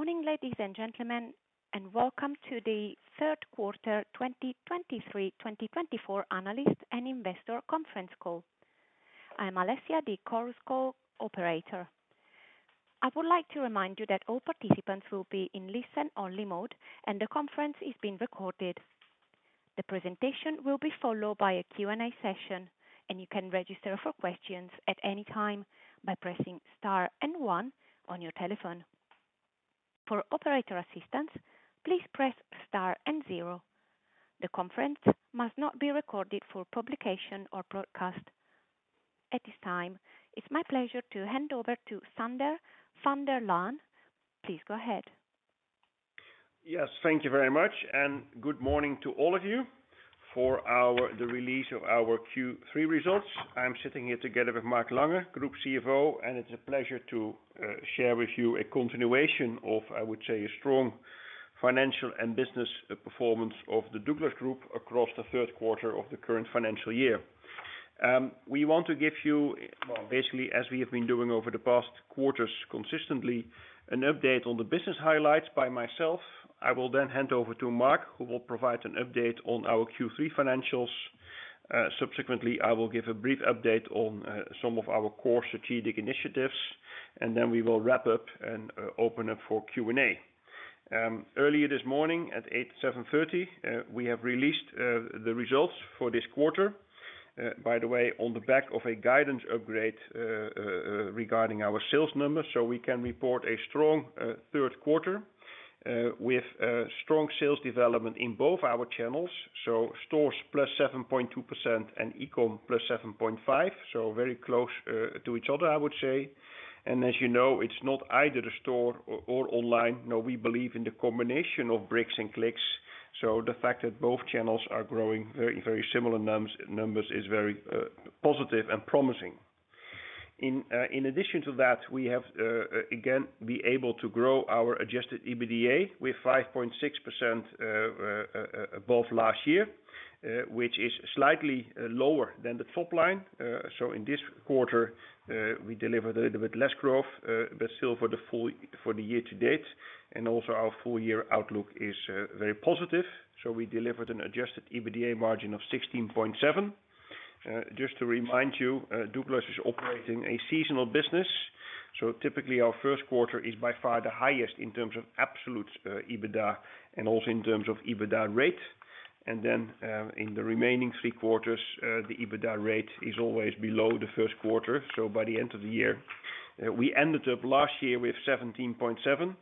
Good morning, ladies and gentlemen, and welcome to the third quarter 2023,2024 analyst and investor conference call. I am Alessia, the Chorus Call operator. I would like to remind you that all participants will be in listen-only mode, and the conference is being recorded. The presentation will be followed by a Q&A session, and you can register for questions at any time by pressing star and one on your telephone. For operator assistance, please press star and zero. The conference must not be recorded for publication or broadcast. At this time, it's my pleasure to hand over to Sander van der Laan. Please go ahead. Yes, thank you very much, and good morning to all of you for the release of our Q3 results. I'm sitting here together with Mark Langer, Group CFO, and it's a pleasure to share with you a continuation of, I would say, a strong financial and business performance of the Douglas Group across the third quarter of the current financial year. We want to give you, well, basically, as we have been doing over the past quarters, consistently, an update on the business highlights by myself. I will then hand over to Mark, who will provide an update on our Q3 financials. Subsequently, I will give a brief update on some of our core strategic initiatives, and then we will wrap up and open up for Q&A. Earlier this morning, at eight, 7:30, we have released the results for this quarter, by the way, on the back of a guidance upgrade regarding our sales numbers. So we can report a strong third quarter with strong sales development in both our channels, so stores +7.2% and e-com +7.5%, so very close to each other, I would say. And as you know, it's not either the store or online, no, we believe in the combination of bricks and clicks, so the fact that both channels are growing very, very similar numbers is very positive and promising. In addition to that, we have again been able to grow our adjusted EBITDA with 5.6% above last year, which is slightly lower than the top line. So in this quarter, we delivered a little bit less growth, but still for the full, for the year to date, and also our full year outlook is very positive. So we delivered an adjusted EBITDA margin of 16.7%. Just to remind you, Douglas is operating a seasonal business, so typically our first quarter is by far the highest in terms of absolute EBITDA and also in terms of EBITDA rate. And then in the remaining three quarters, the EBITDA rate is always below the first quarter, so by the end of the year. We ended up last year with 17.7,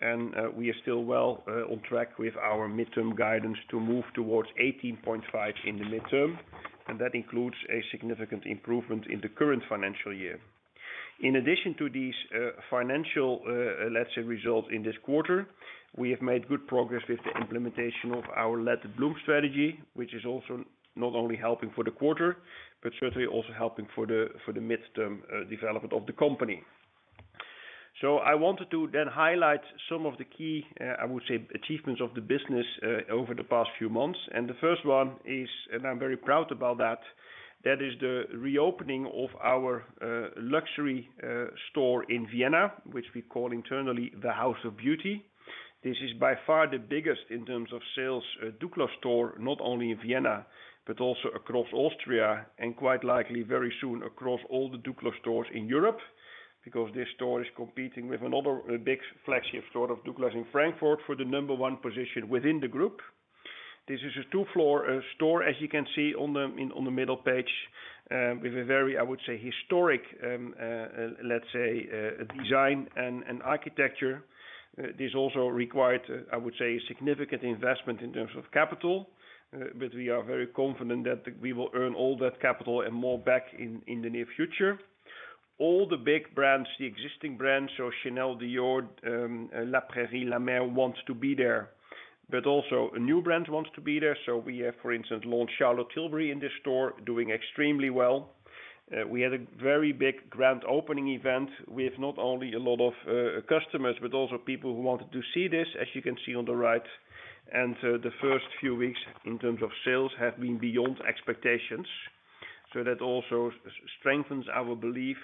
and we are still well on track with our midterm guidance to move towards 18.5 in the midterm, and that includes a significant improvement in the current financial year. In addition to these financial, let's say, results in this quarter, we have made good progress with the implementation of our Let It Bloom strategy, which is also not only helping for the quarter, but certainly also helping for the midterm development of the company. So I wanted to then highlight some of the key, I would say, achievements of the business over the past few months, and the first one is, and I'm very proud about that, that is the reopening of our luxury store in Vienna, which we call internally the House of Beauty. This is by far the biggest in terms of sales, Douglas store, not only in Vienna, but also across Austria, and quite likely very soon across all the Douglas stores in Europe, because this store is competing with another big flagship store of Douglas in Frankfurt for the number one position within the group. This is a two-floor store, as you can see on the middle page, with a very, I would say, historic, let's say, design and architecture. This also required, I would say, a significant investment in terms of capital, but we are very confident that we will earn all that capital and more back in the near future. All the big brands, the existing brands, so Chanel, Dior, La Prairie, La Mer, wants to be there, but also a new brand wants to be there. So we have, for instance, launched Charlotte Tilbury in this store, doing extremely well. We had a very big grand opening event with not only a lot of customers, but also people who wanted to see this, as you can see on the right. And so the first few weeks in terms of sales have been beyond expectations. So that also strengthens our belief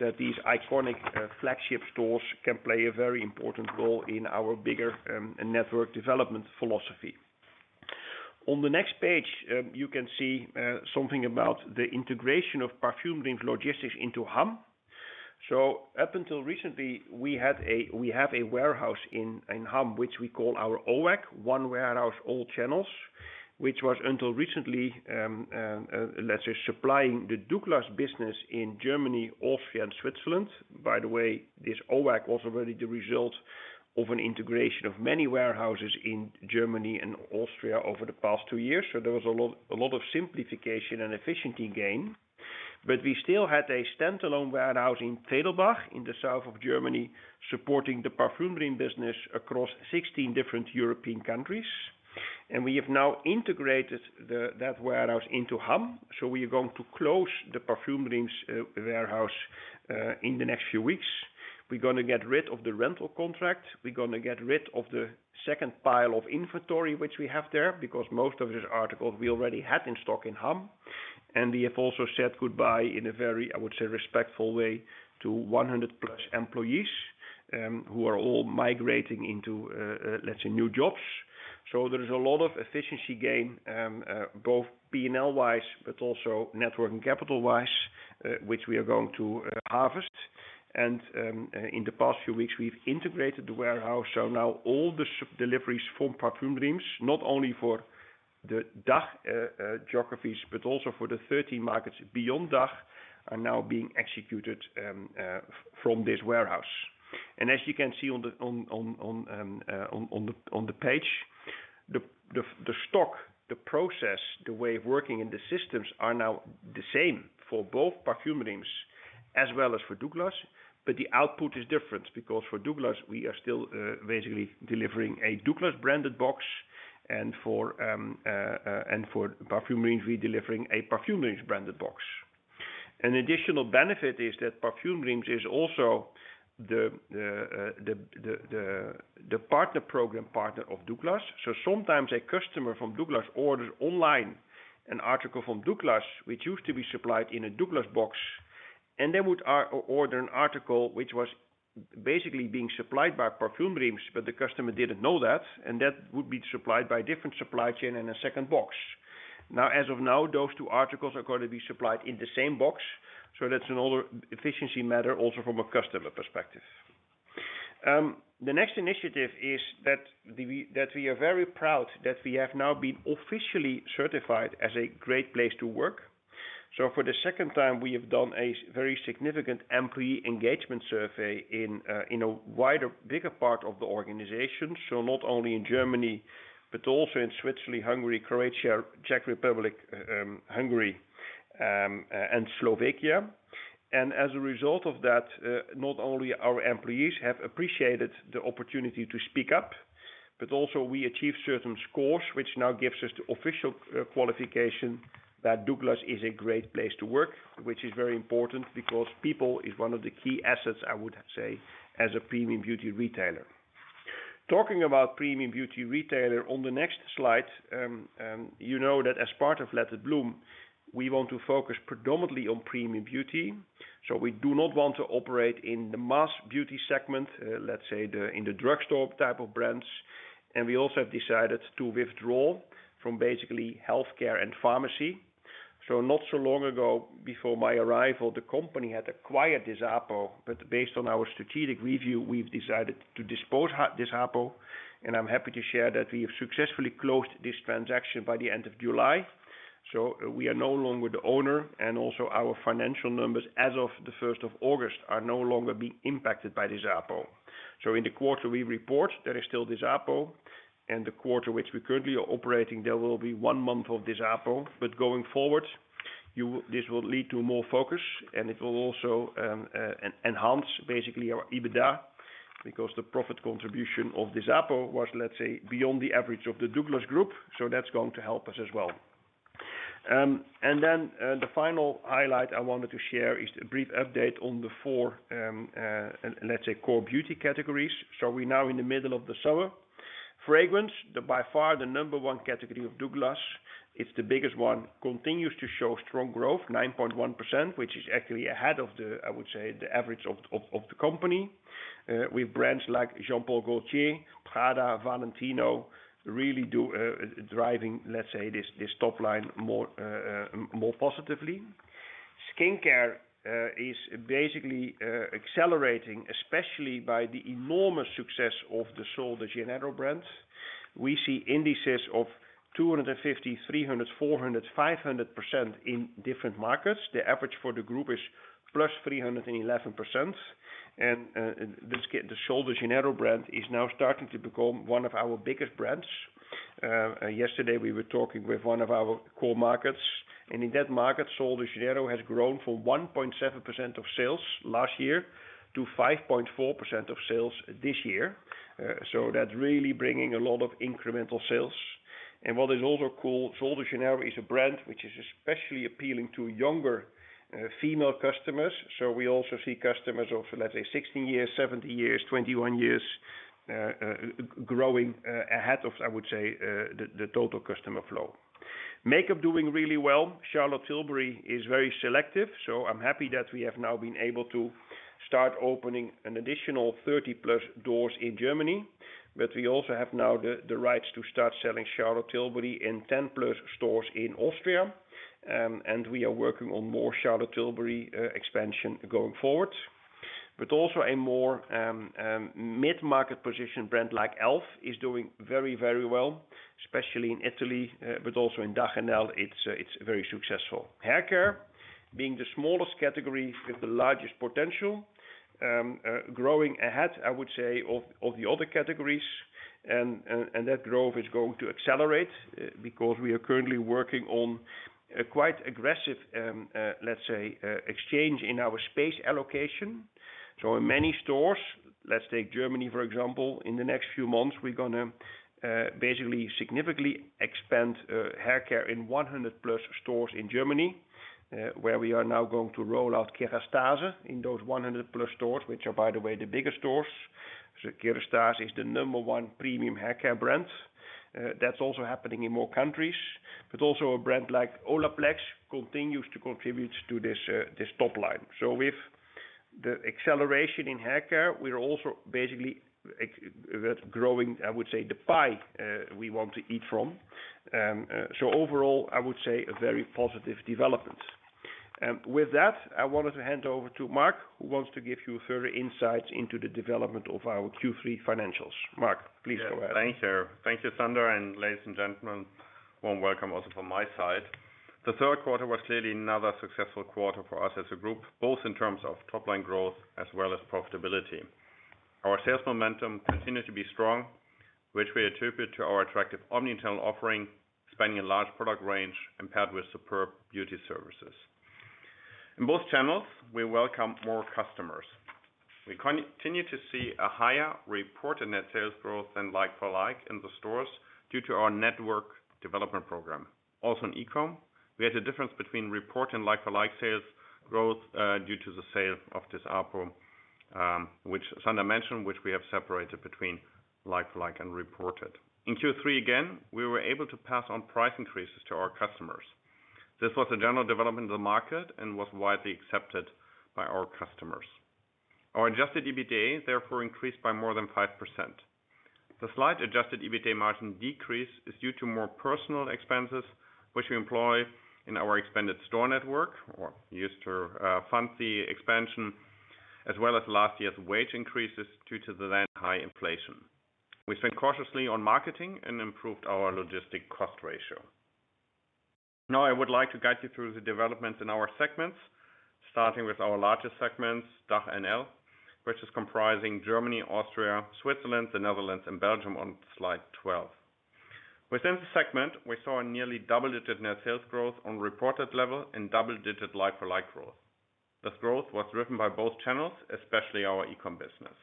that these iconic flagship stores can play a very important role in our bigger network development philosophy. On the next page, you can see something about the integration of Parfumerie logistics into Hamm. So up until recently, we have a warehouse in Hamm, which we call our OWAC, One Warehouse All Channels, which was, until recently, let's say, supplying the Douglas business in Germany, Austria, and Switzerland. By the way, this OWAC was already the result of an integration of many warehouses in Germany and Austria over the past two years, so there was a lot, a lot of simplification and efficiency gain. But we still had a standalone warehouse in Pfedelbach, in the south of Germany, supporting the Parfumdreams business across 16 different European countries, and we have now integrated that warehouse into Hamm. So we are going to close the Parfumdreams' warehouse in the next few weeks. We're going to get rid of the rental contract. We're going to get rid of the second pile of inventory which we have there, because most of these articles we already had in stock in Hamm, and we have also said goodbye in a very, I would say, respectful way to 100+ employees, who are all migrating into, let's say, new jobs. So there is a lot of efficiency gain, both P&L wise, but also network and capital wise, which we are going to harvest. And, in the past few weeks, we've integrated the warehouse. So now all the deliveries from Parfumdreams, not only for the DACH geographies, but also for the 30 markets beyond DACH, are now being executed from this warehouse. And as you can see on the page, the process, the way of working in the systems are now the same for both Parfumdreams as well as for Douglas. But the output is different, because for Douglas, we are still basically delivering a Douglas branded box and for Parfumdreams, we're delivering a Parfumdreams branded box. An additional benefit is that Parfumdreams is also the partner program partner of Douglas. So sometimes a customer from Douglas orders online an article from Douglas, which used to be supplied in a Douglas box, and they would order an article which was basically being supplied by Parfumdreams, but the customer didn't know that, and that would be supplied by a different supply chain in a second box. Now, as of now, those two articles are going to be supplied in the same box, so that's another efficiency matter, also from a customer perspective. The next initiative is that we are very proud that we have now been officially certified as a great place to work. So for the second time, we have done a very significant employee engagement survey in, in a wider, bigger part of the organization. So not only in Germany, but also in Switzerland, Hungary, Croatia, Czech Republic, Hungary, and Slovakia. And as a result of that, not only our employees have appreciated the opportunity to speak up, but also we achieved certain scores, which now gives us the official qualification that Douglas is a great place to work. Which is very important because people is one of the key assets, I would say, as a premium beauty retailer. Talking about premium beauty retailer, on the next slide, you know that as part of Let It Bloom, we want to focus predominantly on premium beauty. So we do not want to operate in the mass beauty segment, let's say, the, in the drugstore type of brands. And we also have decided to withdraw from basically healthcare and pharmacy. So not so long ago, before my arrival, the company had acquired Disapo, but based on our strategic review, we've decided to dispose Disapo, and I'm happy to share that we have successfully closed this transaction by the end of July. So we are no longer the owner, and also our financial numbers as of the first of August, are no longer being impacted by Disapo. So in the quarter we report, there is still Disapo, and the quarter which we currently are operating, there will be one month of Disapo, but going forward, this will lead to more focus, and it will also enhance, basically our EBITDA, because the profit contribution of Disapo was, let's say, beyond the average of the Douglas Group. So that's going to help us as well. And then, the final highlight I wanted to share is a brief update on the four, let's say, core beauty categories. So we're now in the middle of the summer. Fragrance, by far the number one category of Douglas, it's the biggest one, continues to show strong growth, 9.1%, which is actually ahead of the, I would say, the average of the company. With brands like Jean-Paul Gaultier, Prada, Valentino, really do driving, let's say, this top line more positively. Skincare is basically accelerating, especially by the enormous success of the Sol de Janeiro brand. We see indices of 250, 300, 400, 500% in different markets. The average for the group is +311%, and this get, the Sol de Janeiro brand is now starting to become one of our biggest brands. Yesterday, we were talking with one of our core markets, and in that market, Sol de Janeiro has grown from 1.7% of sales last year to 5.4% of sales this year. So that's really bringing a lot of incremental sales. And what is also cool, Sol de Janeiro is a brand which is especially appealing to younger female customers. So we also see customers of, let's say, 16 years, 17 years, 21 years growing ahead of, I would say, the total customer flow. Makeup doing really well. Charlotte Tilbury is very selective, so I'm happy that we have now been able to start opening an additional 30+ doors in Germany. But we also have now the rights to start selling Charlotte Tilbury in 10+ stores in Austria. And we are working on more Charlotte Tilbury expansion going forward. But also a more mid-market position brand like e.l.f. is doing very, very well, especially in Italy, but also in DACH/NL, it's very successful. Hair care, being the smallest category with the largest potential, growing ahead, I would say, of the other categories. And that growth is going to accelerate, because we are currently working on a quite aggressive, let's say, exchange in our space allocation. So in many stores, let's take Germany, for example, in the next few months, we're gonna basically significantly expand hair care in 100+ stores in Germany, where we are now going to roll out Kérastase in those 100+ stores, which are, by the way, the biggest stores. So Kérastase is the number one premium haircare brand. That's also happening in more countries. But also a brand like Olaplex continues to contribute to this this top line. So with the acceleration in haircare, we are also basically growing, I would say, the pie we want to eat from. So overall, I would say a very positive development. With that, I wanted to hand over to Mark, who wants to give you further insights into the development of our Q3 financials. Mark, please go ahead. Yes. Thank you. Thank you, Sander, and ladies and gentlemen, warm welcome also from my side. The third quarter was clearly another successful quarter for us as a group, both in terms of top line growth as well as profitability. Our sales momentum continued to be strong, which we attribute to our attractive omnichannel offering, spanning a large product range and paired with superb beauty services. In both channels, we welcome more customers. We continue to see a higher reported net sales growth than like-for-like in the stores, due to our network development program. Also, in e-com, we had a difference between reported and like-for-like sales growth, due to the sale of Disapo, which Sander mentioned, which we have separated between like-for-like and reported. In Q3 again, we were able to pass on price increases to our customers. This was a general development in the market and was widely accepted by our customers. Our adjusted EBITDA, therefore, increased by more than 5%. The slight adjusted EBITDA margin decrease is due to more personal expenses, which we employ in our expanded store network, or used to fund the expansion, as well as last year's wage increases due to the then high inflation. We spent cautiously on marketing and improved our logistics cost ratio. Now, I would like to guide you through the developments in our segments, starting with our largest segments, DACH/NL, which is comprising Germany, Austria, Switzerland, the Netherlands, and Belgium on slide 12. Within the segment, we saw a nearly double-digit net sales growth on reported level and double-digit like-for-like growth. This growth was driven by both channels, especially our e-com business.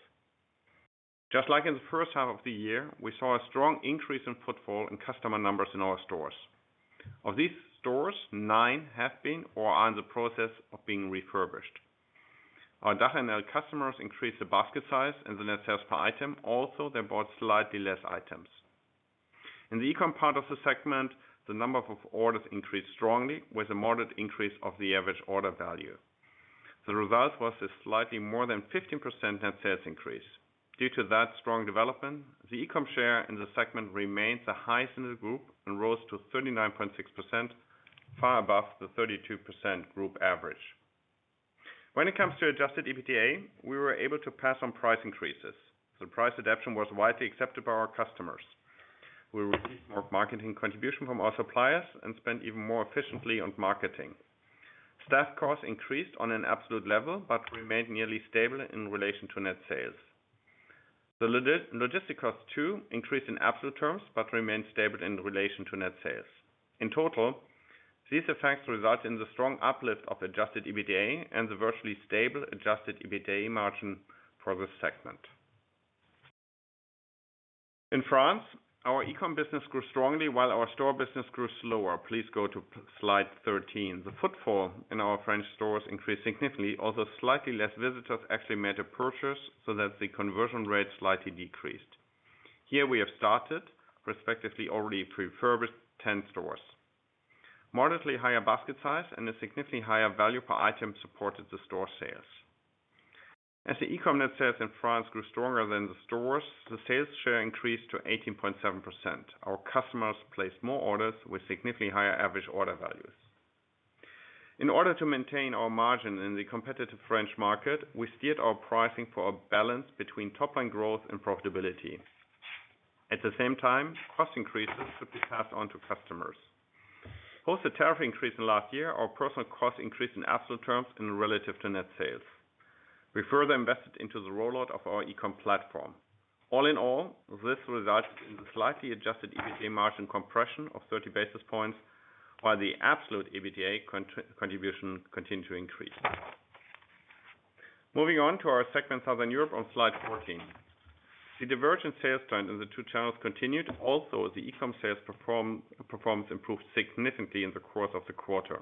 Just like in the first half of the year, we saw a strong increase in footfall and customer numbers in our stores. Of these stores, 9 have been or are in the process of being refurbished. Our DACH/NL customers increased the basket size and the net sales per item, also, they bought slightly less items. In the e-com part of the segment, the number of orders increased strongly, with a moderate increase of the average order value. The result was a slightly more than 15% net sales increase. Due to that strong development, the e-com share in the segment remains the highest in the group and rose to 39.6%, far above the 32% group average. When it comes to Adjusted EBITDA, we were able to pass on price increases. The price adaption was widely accepted by our customers. We received more marketing contribution from our suppliers and spent even more efficiently on marketing. Staff costs increased on an absolute level, but remained nearly stable in relation to net sales. The logistic cost, too, increased in absolute terms, but remained stable in relation to net sales. In total, these effects result in the strong uplift of Adjusted EBITDA and the virtually stable Adjusted EBITDA margin for this segment. In France, our e-com business grew strongly while our store business grew slower. Please go to slide 13. The footfall in our French stores increased significantly, although slightly less visitors actually made a purchase, so that the conversion rate slightly decreased. Here we have started, respectively, already refurbished 10 stores. Moderately higher basket size and a significantly higher value per item supported the store sales. As the e-com net sales in France grew stronger than the stores, the sales share increased to 18.7%. Our customers placed more orders with significantly higher average order values. In order to maintain our margin in the competitive French market, we steered our pricing for a balance between top line growth and profitability. At the same time, cost increases could be passed on to customers. Post the tariff increase in last year, our personal costs increased in absolute terms and relative to net sales. We further invested into the rollout of our e-com platform. All in all, this resulted in the slightly adjusted EBITDA margin compression of 30 basis points, while the absolute EBITDA contribution continued to increase. Moving on to our segment, Southern Europe, on slide 14. The divergent sales trend in the two channels continued. Also, the e-com sales performance improved significantly in the course of the quarter.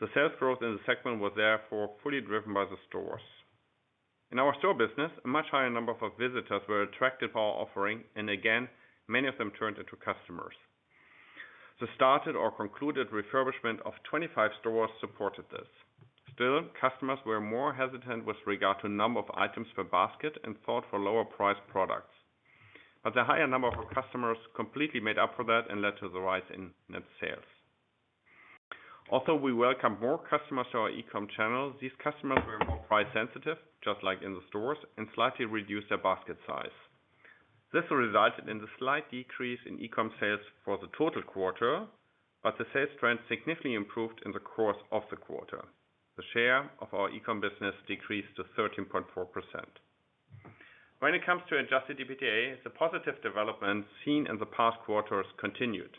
The sales growth in the segment was therefore fully driven by the stores. In our store business, a much higher number of our visitors were attracted by our offering, and again, many of them turned into customers. The started or concluded refurbishment of 25 stores supported this. Still, customers were more hesitant with regard to number of items per basket and thought for lower priced products. But the higher number of our customers completely made up for that and led to the rise in net sales. Although we welcome more customers to our e-com channel, these customers were more price sensitive, just like in the stores, and slightly reduced their basket size. This resulted in the slight decrease in e-com sales for the total quarter, but the sales trend significantly improved in the course of the quarter. The share of our e-com business decreased to 13.4%. When it comes to adjusted EBITDA, the positive development seen in the past quarters continued.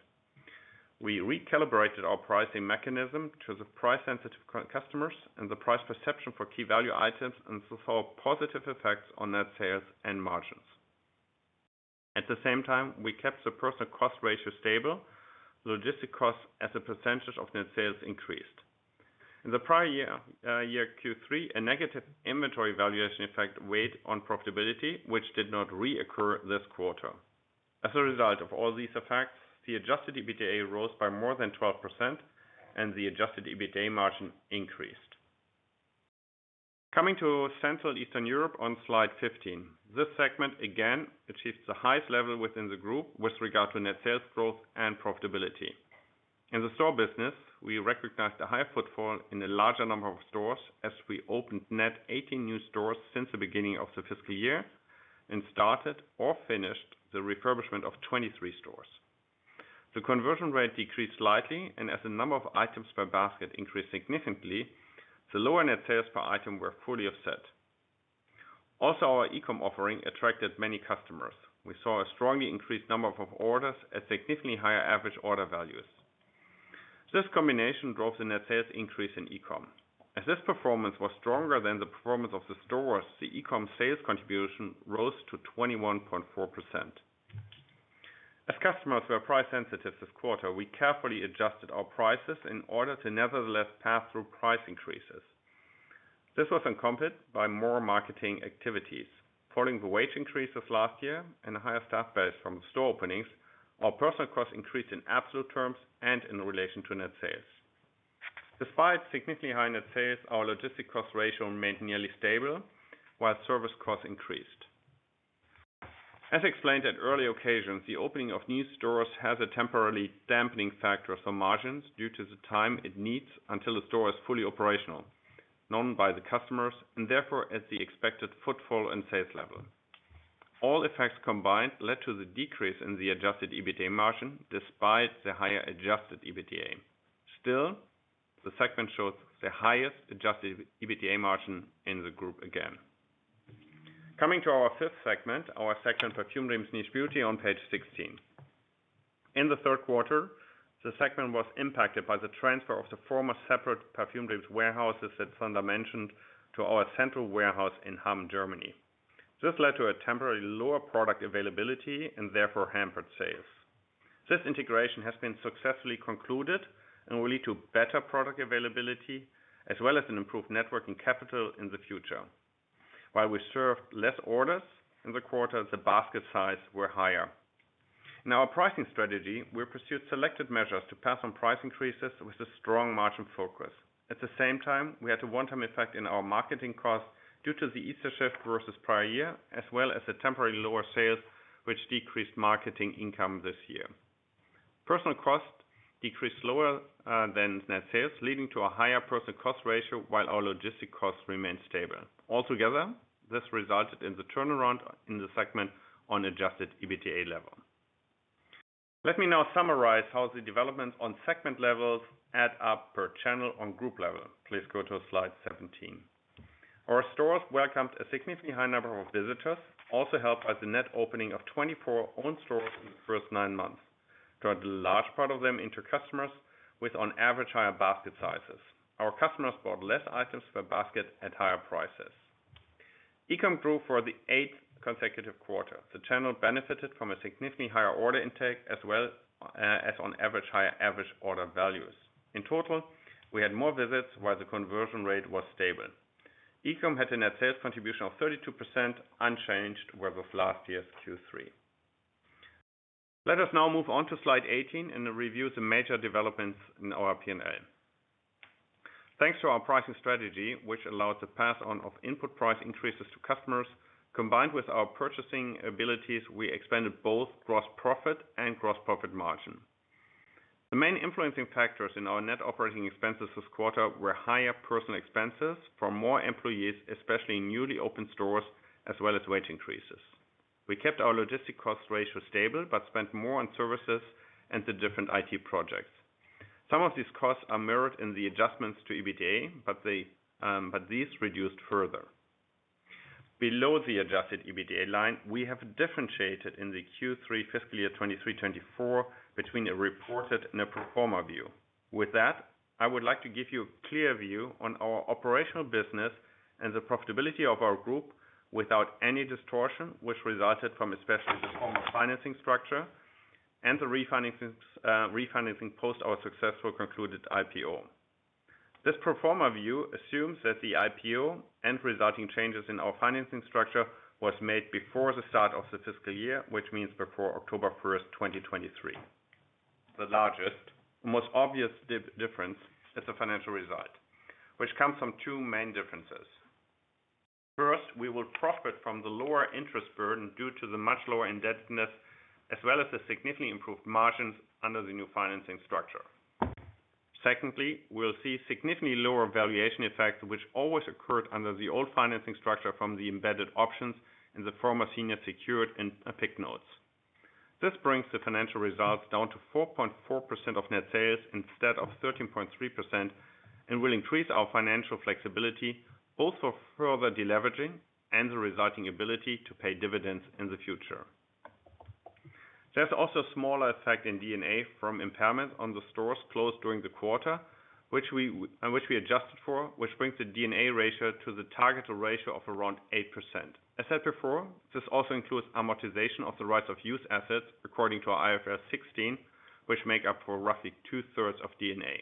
We recalibrated our pricing mechanism to the price sensitive customers and the price perception for key value items, and saw positive effects on net sales and margins. At the same time, we kept the personal cost ratio stable, logistic cost as a percentage of net sales increased. In the prior year, year Q3, a negative inventory valuation effect weighed on profitability, which did not reoccur this quarter. As a result of all these effects, the adjusted EBITDA rose by more than 12%, and the adjusted EBITDA margin increased. Coming to Central Eastern Europe on slide 15. This segment, again, achieves the highest level within the group with regard to net sales growth and profitability. In the store business, we recognized a higher footfall in a larger number of stores as we opened net 18 new stores since the beginning of the fiscal year, and started or finished the refurbishment of 23 stores. The conversion rate decreased slightly, and as the number of items per basket increased significantly, the lower net sales per item were fully offset. Also, our e-com offering attracted many customers. We saw a strongly increased number of orders at significantly higher average order values. This combination drove the net sales increase in e-com. As this performance was stronger than the performance of the stores, the e-com sales contribution rose to 21.4%. As customers were price sensitive this quarter, we carefully adjusted our prices in order to nevertheless pass through price increases. This was accompanied by more marketing activities. Following the wage increases last year and a higher staff base from the store openings, our personnel costs increased in absolute terms and in relation to net sales. Despite significantly higher net sales, our logistics cost ratio remained nearly stable, while service costs increased. As explained at early occasions, the opening of new stores has a temporarily dampening factor for margins due to the time it needs until the store is fully operational, known by the customers, and therefore, as the expected footfall and sales level. All effects combined led to the decrease in the Adjusted EBITDA margin, despite the higher Adjusted EBITDA. Still, the segment shows the highest Adjusted EBITDA margin in the group again. Coming to our fifth segment, Parfumdreams Niche Beauty, on page 16. In the third quarter, the segment was impacted by the transfer of the former separate Parfumdreams warehouses that Sander mentioned to our central warehouse in Hamm, Germany. This led to a temporary lower product availability and therefore hampered sales. This integration has been successfully concluded and will lead to better product availability, as well as an improved network and capital in the future. While we served less orders in the quarter, the basket size were higher. In our pricing strategy, we pursued selected measures to pass on price increases with a strong margin focus. At the same time, we had a one-time effect in our marketing costs due to the Easter shift versus prior year, as well as the temporary lower sales, which decreased marketing income this year. Personal costs decreased lower than net sales, leading to a higher personal cost ratio, while our logistics costs remained stable. Altogether, this resulted in the turnaround in the segment on Adjusted EBITDA level. Let me now summarize how the development on segment levels add up per channel on group level. Please go to slide 17. Our stores welcomed a significantly high number of visitors, also helped by the net opening of 24 own stores in the first nine months. Turned a large part of them into customers with on average, higher basket sizes. Our customers bought less items per basket at higher prices. E-com grew for the 8th consecutive quarter. The channel benefited from a significantly higher order intake, as well, as on average, higher average order values. In total, we had more visits, while the conversion rate was stable. E-com had a net sales contribution of 32%, unchanged with of last year's Q3. Let us now move on to Slide 18, and review the major developments in our P&L. Thanks to our pricing strategy, which allowed the pass on of input price increases to customers, combined with our purchasing abilities, we expanded both gross profit and gross profit margin. The main influencing factors in our net operating expenses this quarter were higher personal expenses for more employees, especially in newly opened stores, as well as wage increases. We kept our logistic cost ratio stable, but spent more on services and the different IT projects. Some of these costs are mirrored in the adjustments to EBITDA, but they, but these reduced further. Below the adjusted EBITDA line, we have differentiated in the Q3 fiscal year 2023-2024 between a reported and a pro forma view. With that, I would like to give you a clear view on our operational business and the profitability of our group without any distortion, which resulted from especially the former financing structure and the refinances, refinancing post our successful concluded IPO. This pro forma view assumes that the IPO and resulting changes in our financing structure was made before the start of the fiscal year, which means before October 1, 2023. The largest, most obvious difference is the financial result, which comes from two main differences. First, we will profit from the lower interest burden due to the much lower indebtedness, as well as the significantly improved margins under the new financing structure. Secondly, we'll see significantly lower valuation effects, which always occurred under the old financing structure from the embedded options in the former senior secured and PIK notes. This brings the financial results down to 4.4% of net sales instead of 13.3%, and will increase our financial flexibility, both for further deleveraging and the resulting ability to pay dividends in the future. There's also a smaller effect in D&A from impairment on the stores closed during the quarter, which we adjusted for, which brings the D&A ratio to the targeted ratio of around 8%. As said before, this also includes amortization of the rights of use assets according to our IFRS 16, which make up for roughly two-thirds of D&A.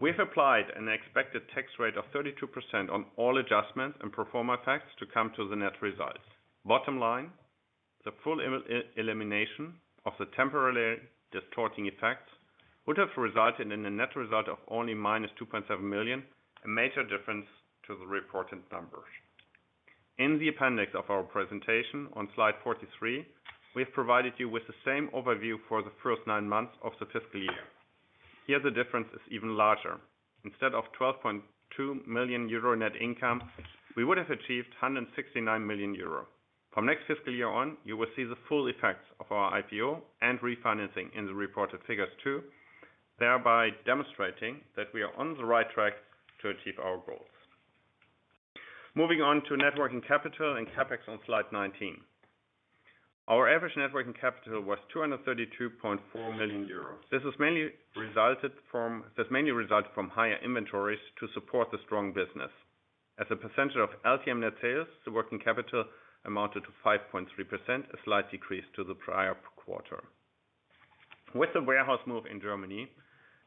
We've applied an expected tax rate of 32% on all adjustments and pro forma effects to come to the net results. Bottom line, the full elimination of the temporarily distorting effects would have resulted in a net result of only -2.7 million, a major difference to the reported numbers. In the appendix of our presentation on slide 43, we have provided you with the same overview for the first nine months of the fiscal year. Here, the difference is even larger. Instead of 12.2 million euro net income, we would have achieved 169 million euro. From next fiscal year on, you will see the full effects of our IPO and refinancing in the reported figures too, thereby demonstrating that we are on the right track to achieve our goals. Moving on to net working capital and CapEx on slide 19. Our average net working capital was 232.4 million euros. This mainly resulted from higher inventories to support the strong business. As a percentage of LTM net sales, the working capital amounted to 5.3%, a slight decrease to the prior quarter. With the warehouse move in Germany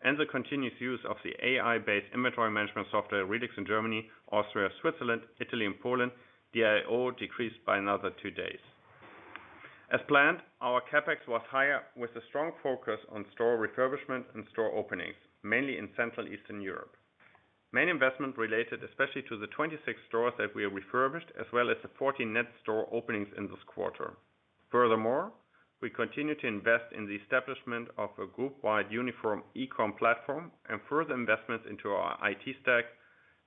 and the continuous use of the AI-based inventory management software, RELEX, in Germany, Austria, Switzerland, Italy and Poland, DIO decreased by another two days. As planned, our CapEx was higher, with a strong focus on store refurbishment and store openings, mainly in Central Eastern Europe. Main investment related, especially to the 26 stores that we refurbished, as well as the 14 net store openings in this quarter. Furthermore, we continue to invest in the establishment of a group-wide uniform e-com platform and further investments into our IT stack,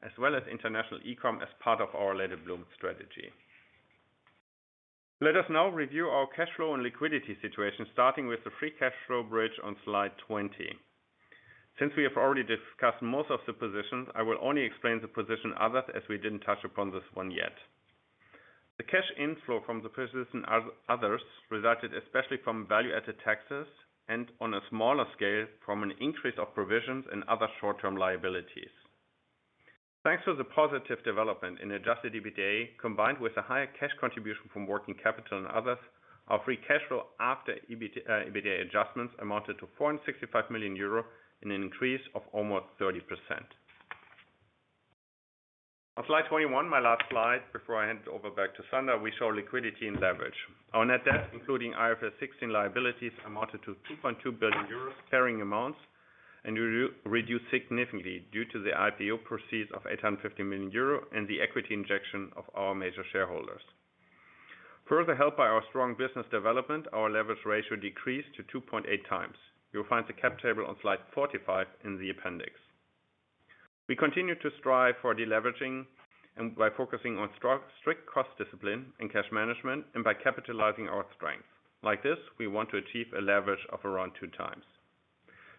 as well as international e-com as part of our Let It Bloom strategy. Let us now review our cash flow and liquidity situation, starting with the free cash flow bridge on slide 20. Since we have already discussed most of the positions, I will only explain the position others, as we didn't touch upon this one yet. The cash inflow from the positions others, resulted especially from value added taxes, and on a smaller scale, from an increase of provisions and other short-term liabilities. Thanks to the positive development in adjusted EBITDA, combined with a higher cash contribution from working capital and others, our free cash flow after EBITDA adjustments amounted to 465 million euro, in an increase of almost 30%. On slide 21, my last slide before I hand it over back to Sander, we show liquidity and leverage. Our net debt, including IFRS 16 liabilities, amounted to 2.2 billion euros, carrying amounts, and reduced significantly due to the IPO proceeds of 850 million euros and the equity injection of our major shareholders. Further helped by our strong business development, our leverage ratio decreased to 2.8 times. You'll find the cap table on slide 45 in the appendix. We continue to strive for deleveraging and by focusing on strong, strict cost discipline and cash management, and by capitalizing our strength. Like this, we want to achieve a leverage of around two times.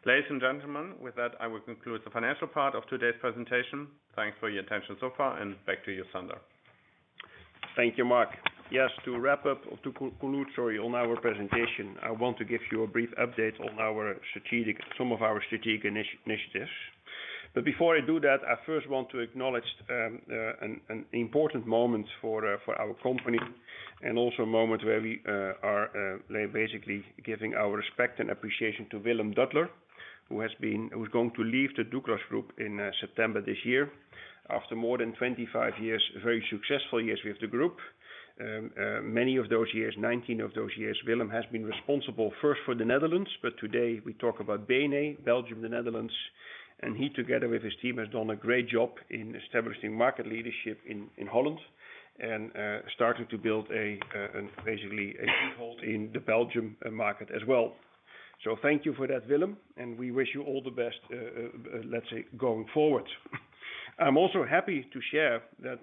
Ladies and gentlemen, with that, I will conclude the financial part of today's presentation. Thanks for your attention so far, and back to you, Sander. Thank you, Mark. Yes, to wrap up, or to conclude, sorry, on our presentation, I want to give you a brief update on our strategic, some of our strategic initiatives. But before I do that, I first want to acknowledge an important moment for our company, and also a moment where we are basically giving our respect and appreciation to Willem Duthler, who has been—who's going to leave the Douglas Group in September this year, after more than 25 years, very successful years with the group. Many of those years, 19 of those years, Willem has been responsible, first for the Netherlands, but today we talk about BeNe, Belgium, the Netherlands, and he, together with his team, has done a great job in establishing market leadership in Holland and starting to build basically a foothold in the Belgium market as well. So thank you for that, Willem, and we wish you all the best, let's say, going forward. I'm also happy to share that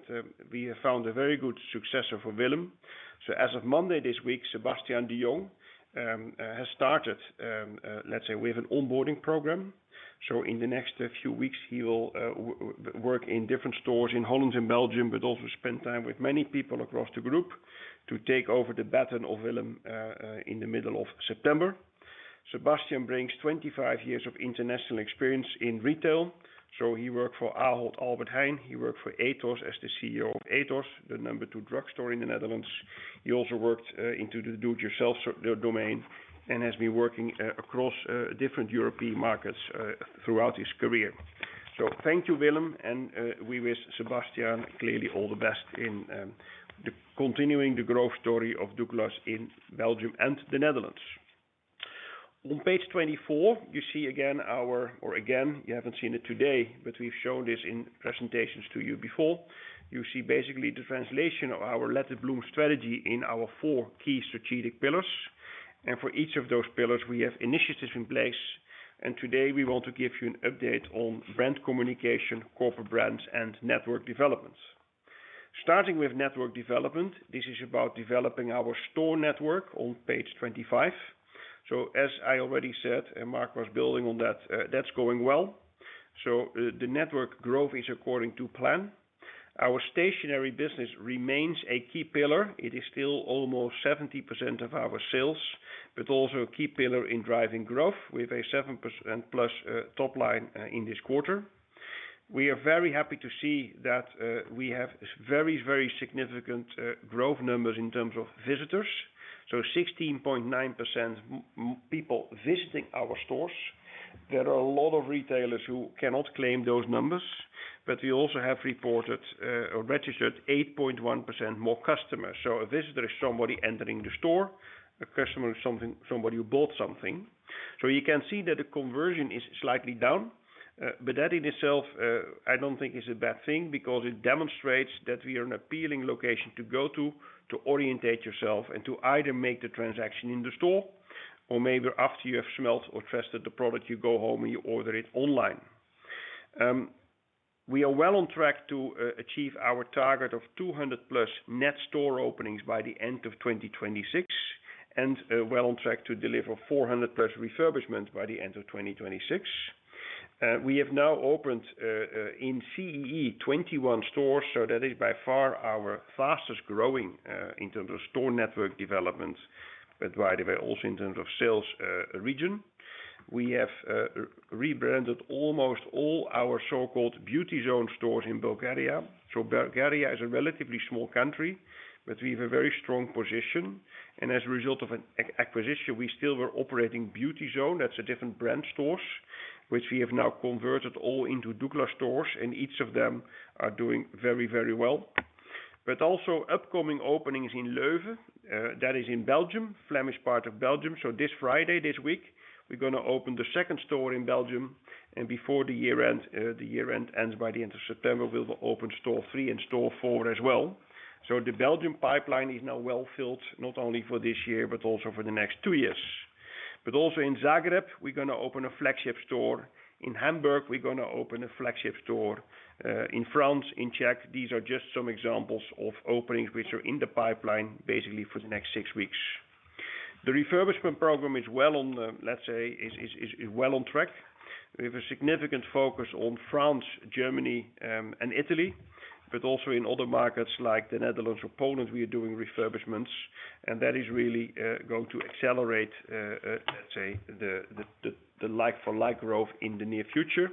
we have found a very good successor for Willem. So as of Monday, this week, Sebastiaan de Jong has started. Let's say we have an onboarding program, so in the next few weeks, he will work in different stores in Holland and Belgium, but also spend time with many people across the group to take over the baton of Willem in the middle of September. Sebastiaan brings 25 years of international experience in retail, so he worked for Ahold Albert Heijn, he worked for Etos, as the CEO of Etos, the number two drugstore in the Netherlands. He also worked into the do-it-yourself domain, and has been working across different European markets throughout his career. So thank you, Willem, and we wish Sebastiaan, clearly, all the best in the continuing the growth story of Douglas in Belgium and the Netherlands. On page 24, you see again our, or again, you haven't seen it today, but we've shown this in presentations to you before. You see basically the translation of our Let It Bloom strategy in our four key strategic pillars, and for each of those pillars, we have initiatives in place, and today we want to give you an update on brand communication, corporate brands, and network developments. Starting with network development, this is about developing our store network on page 25. So as I already said, and Mark was building on that, that's going well. So, the network growth is according to plan. Our stationary business remains a key pillar. It is still almost 70% of our sales, but also a key pillar in driving growth, with a 7%+ top line in this quarter. We are very happy to see that we have very, very significant growth numbers in terms of visitors. So 16.9% more people visiting our stores. There are a lot of retailers who cannot claim those numbers, but we also have reported or registered 8.1% more customers. So a visitor is somebody entering the store, a customer is somebody who bought something. So you can see that the conversion is slightly down, but that in itself I don't think is a bad thing, because it demonstrates that we are an appealing location to go to, to orientate yourself, and to either make the transaction in the store, or maybe after you have smelt or tested the product, you go home and you order it online. We are well on track to achieve our target of 200+ net store openings by the end of 2026, and well on track to deliver 400+ refurbishment by the end of 2026. We have now opened in CEE, 21 stores, so that is by far our fastest growing in terms of store network development, but by the way, also in terms of sales region. We have rebranded almost all our so-called Beauty Zone stores in Bulgaria. So Bulgaria is a relatively small country, but we have a very strong position, and as a result of an acquisition, we still were operating Beauty Zone. That's a different brand stores, which we have now converted all into Douglas stores, and each of them are doing very, very well. But also upcoming openings in Leuven, that is in Belgium, Flemish part of Belgium. So this Friday, this week, we're gonna open the second store in Belgium, and before the year end, the year end ends by the end of September, we'll open store three and store four as well. So the Belgium pipeline is now well filled, not only for this year, but also for the next two years. But also in Zagreb, we're gonna open a flagship store. In Hamburg, we're gonna open a flagship store, in France, in Czech. These are just some examples of openings which are in the pipeline, basically for the next six weeks. The refurbishment program is well on the, let's say, well on track. We have a significant focus on France, Germany, and Italy, but also in other markets like the Netherlands or Poland, we are doing refurbishments, and that is really going to accelerate, let's say, the like-for-like growth in the near future,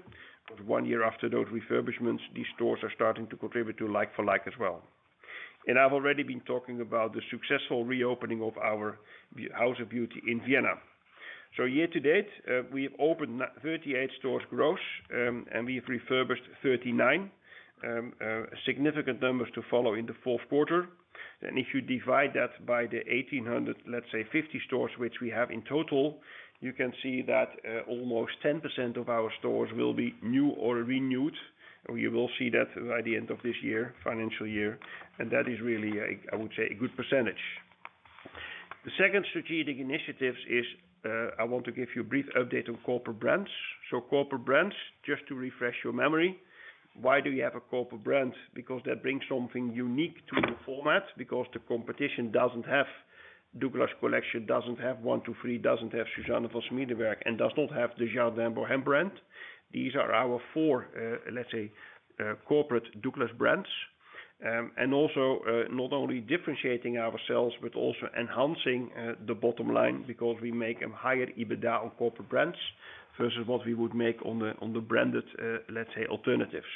because one year after those refurbishments, these stores are starting to contribute to like-for-like as well. I've already been talking about the successful reopening of our House of Beauty in Vienna. So year to date, we have opened 38 stores gross, and we've refurbished 39, significant numbers to follow in the fourth quarter. Then if you divide that by the 1,800, let's say 50 stores, which we have in total, you can see that, almost 10% of our stores will be new or renewed, and you will see that by the end of this year, financial year, and that is really a, I would say, a good percentage. The second strategic initiatives is, I want to give you a brief update on corporate brands. So corporate brands, just to refresh your memory, why do you have a corporate brand? Because that brings something unique to the format, because the competition doesn't have Douglas Collection, doesn't have one.two.free!, doesn't have Dr. Susanne von Schmiedeberg, and does not have the Jardin Bohème brand. These are our four, let's say, corporate Douglas brands. Also, not only differentiating ourselves, but also enhancing the bottom line, because we make a higher EBITDA on corporate brands, versus what we would make on the branded, let's say alternatives.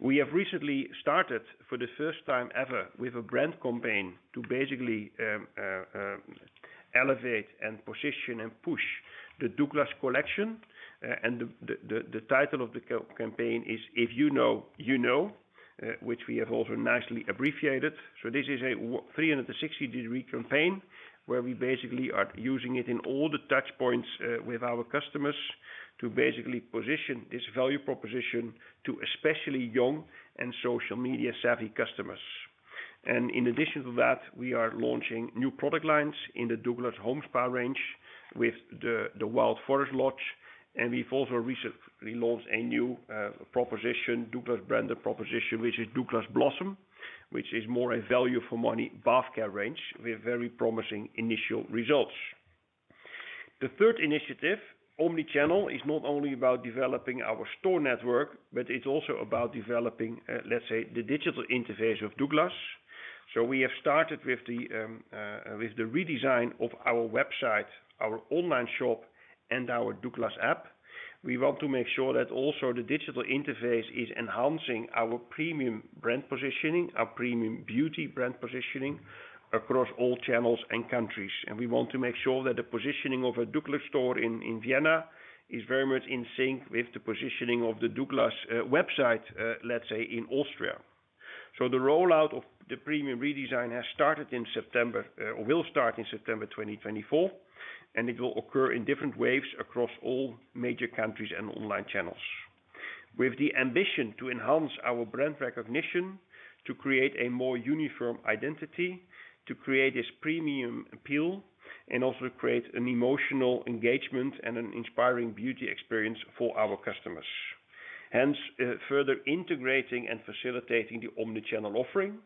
We have recently started, for the first time ever, with a brand campaign to basically elevate and position and push the Douglas Collection, and the title of the campaign is, If You Know, You Know, which we have also nicely abbreviated. So this is a 360-degree campaign, where we basically are using it in all the touch points with our customers, to basically position this value proposition to especially young and social media savvy customers. In addition to that, we are launching new product lines in the Douglas Home Spa range with the Wild Forest Lodge, and we've also recently launched a new proposition, Douglas branded proposition, which is Douglas Blossom, which is more a value for money bath care range, with very promising initial results. The third initiative, omni-channel, is not only about developing our store network, but it's also about developing, let's say, the digital interface of Douglas. We have started with the redesign of our website, our online shop, and our Douglas app. We want to make sure that also the digital interface is enhancing our premium brand positioning, our premium beauty brand positioning, across all channels and countries. We want to make sure that the positioning of a Douglas store in Vienna is very much in sync with the positioning of the Douglas website, let's say in Austria. The rollout of the premium redesign has started in September, will start in September 2024, and it will occur in different waves across all major countries and online channels. With the ambition to enhance our brand recognition, to create a more uniform identity, to create this premium appeal, and also create an emotional engagement and an inspiring beauty experience for our customers, hence further integrating and facilitating the omni-channel offering.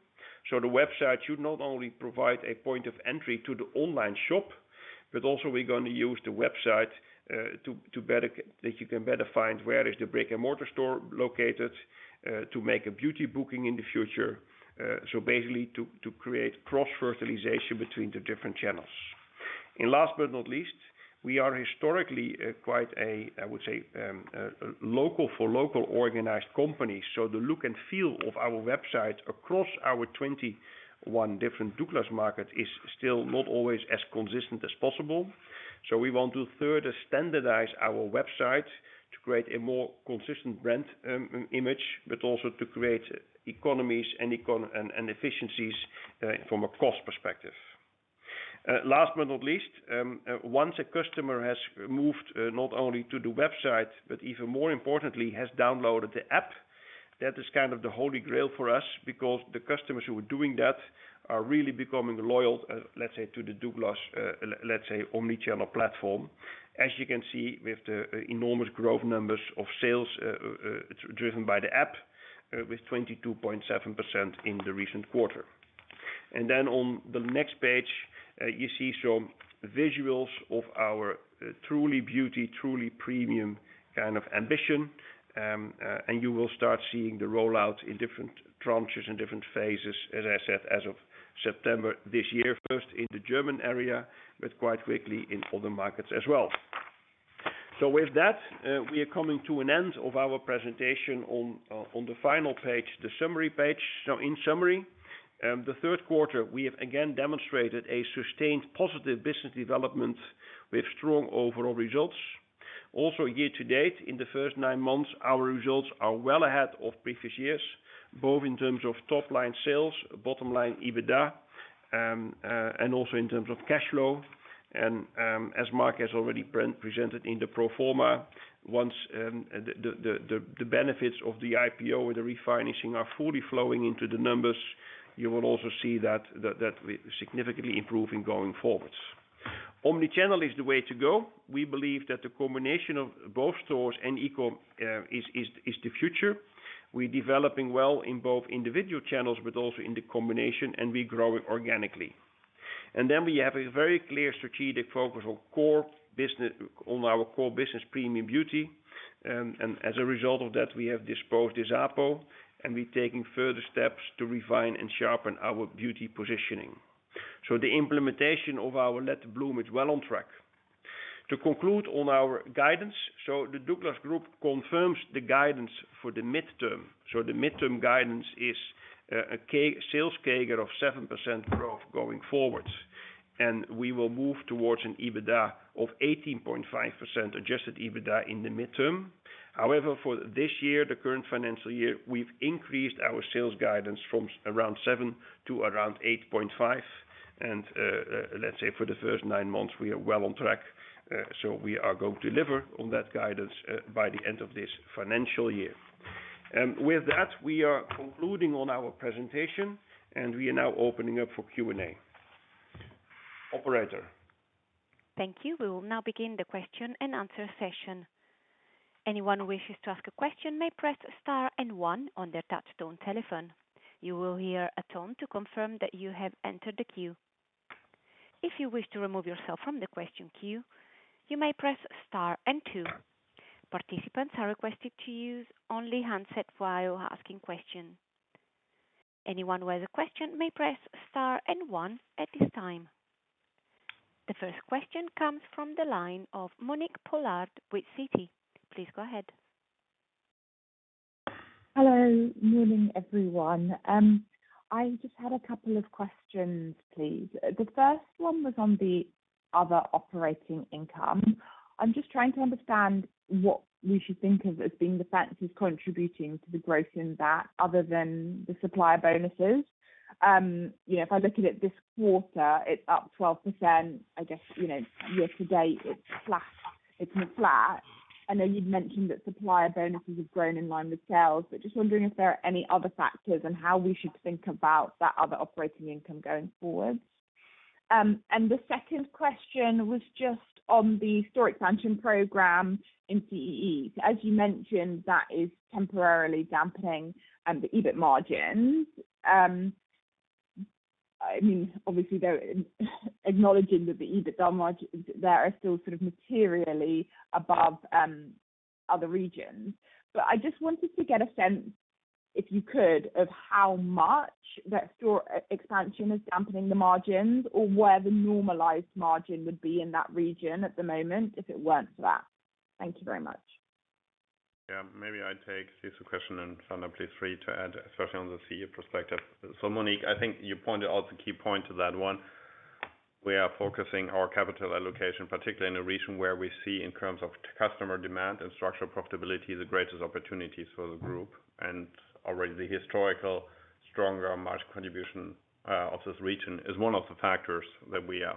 So the website should not only provide a point of entry to the online shop, but also we're going to use the website to better that you can better find where is the brick-and-mortar store located, to make a beauty booking in the future. So basically to create cross-fertilization between the different channels. And last but not least, we are historically quite a, I would say, local for local organized company. So the look and feel of our website across our 21 different Douglas markets is still not always as consistent as possible. So we want to further standardize our website to create a more consistent brand image, but also to create economies and efficiencies from a cost perspective. Last but not least, once a customer has moved, not only to the website, but even more importantly, has downloaded the app, that is kind of the holy grail for us, because the customers who are doing that are really becoming loyal, let's say to the Douglas, let's say, omni-channel platform. As you can see, we have the enormous growth numbers of sales driven by the app with 22.7% in the recent quarter. And then on the next page, you see some visuals of our truly beauty, truly premium kind of ambition. And you will start seeing the rollout in different tranches and different phases, as I said, as of September this year, first in the German area, but quite quickly in other markets as well. So with that, we are coming to an end of our presentation on, on the final page, the summary page. So in summary, the third quarter, we have again demonstrated a sustained positive business development with strong overall results. Also, year to date, in the first nine months, our results are well ahead of previous years, both in terms of top line sales, bottom line, EBITDA, and also in terms of cash flow. And, as Mark has already pre-presented in the pro forma, once, the benefits of the IPO or the refinancing are fully flowing into the numbers, you will also see that significantly improving going forwards. Omni-channel is the way to go. We believe that the combination of both stores and e-com is the future. We're developing well in both individual channels, but also in the combination, and we're growing organically. Then we have a very clear strategic focus on core business, on our core business, premium beauty. And as a result of that, we have disposed Disapo, and we're taking further steps to refine and sharpen our beauty positioning. So the implementation of our Let It Bloom is well on track. To conclude on our guidance, the Douglas Group confirms the guidance for the midterm. The midterm guidance is a sales CAGR of 7% growth going forward, and we will move towards an EBITDA of 18.5% adjusted EBITDA in the midterm. However, for this year, the current financial year, we've increased our sales guidance from around seven to around 8.5. Let's say for the first nine months, we are well on track. So we are going to deliver on that guidance by the end of this financial year. With that, we are concluding on our presentation, and we are now opening up for Q&A. Operator? Thank you. We will now begin the question and answer session. Anyone who wishes to ask a question may press star and one on their touchtone telephone. You will hear a tone to confirm that you have entered the queue. If you wish to remove yourself from the question queue, you may press star and two. Participants are requested to use only handset while asking questions. Anyone who has a question may press star and one at this time. The first question comes from the line of Monique Pollard with Citi. Please go ahead. Hello. Morning, everyone. I just had a couple of questions, please. The first one was on the other operating income. I'm just trying to understand what we should think of as being the factors contributing to the growth in that, other than the supplier bonuses. You know, if I look at it this quarter, it's up 12%. I guess, you know, year to date, it's flat, it's been flat. I know you'd mentioned that supplier bonuses have grown in line with sales, but just wondering if there are any other factors and how we should think about that other operating income going forward? And the second question was just on the store expansion program in CEE. As you mentioned, that is temporarily dampening the EBIT margins. I mean, obviously, they're acknowledging that the EBITDA margins there are still sort of materially above other regions. But I just wanted to get a sense, if you could, of how much that store expansion is dampening the margins or where the normalized margin would be in that region at the moment, if it weren't for that. Thank you very much. Yeah, maybe I take this question, and Sander, please feel free to add, especially on the CEE perspective. So, Monique, I think you pointed out the key point to that one. We are focusing our capital allocation, particularly in a region where we see in terms of customer demand and structural profitability, the greatest opportunities for the group. And already the historical, stronger margin contribution of this region is one of the factors that we are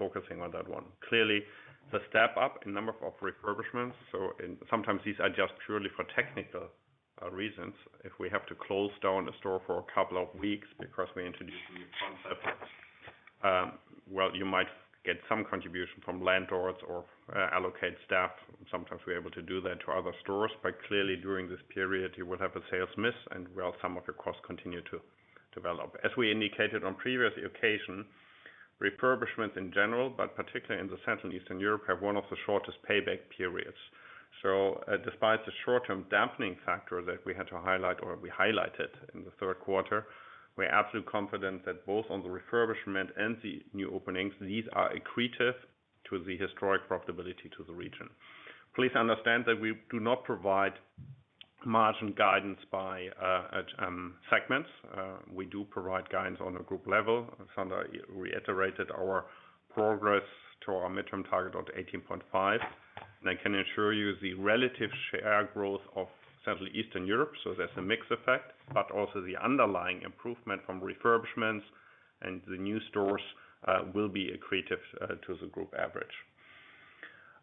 focusing on that one. Clearly, the step up in number of refurbishments, so and sometimes these are just purely for technical reasons. If we have to close down the store for a couple of weeks because we introduce new concepts, well, you might get some contribution from landlords or allocate staff. Sometimes we're able to do that to other stores, but clearly during this period, you will have a sales miss, and, well, some of your costs continue to develop. As we indicated on previous occasion, refurbishments in general, but particularly in the Central Eastern Europe, have one of the shortest payback periods. So, despite the short-term dampening factor that we had to highlight or we highlighted in the third quarter, we're absolutely confident that both on the refurbishment and the new openings, these are accretive to the historic profitability to the region. Please understand that we do not provide margin guidance by segment. We do provide guidance on a group level. Sander reiterated our progress to our midterm target of 18.5, and I can assure you the relative share growth of Central Eastern Europe, so there's a mix effect, but also the underlying improvement from refurbishments and the new stores, will be accretive to the group average.